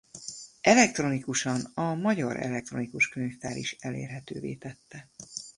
Elektronikusan a Magyar Elektronikus Könyvtár is elérhetővé tette.